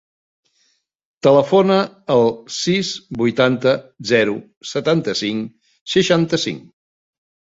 Telefona al sis, vuitanta, zero, setanta-cinc, seixanta-cinc.